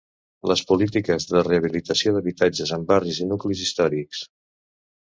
Les polítiques de rehabilitació d'habitatges en barris i nuclis històrics.